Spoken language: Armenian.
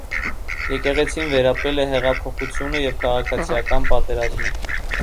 Եկեղեցին վերապրել է հեղափոխությունը և քաղաքացիական պատերազմը։